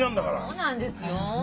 そうなんですよ。